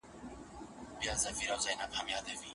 علم د انسان د فکر بنسټ جوړوي او هغه ته سمه لاره ور ښووي.